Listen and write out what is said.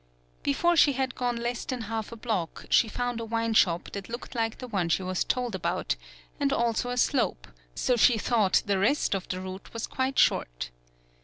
Before she had gone less than half a block, she found a wine shop that looked like the one she was told about, and also a slope, so she thought rest of the route was quite short.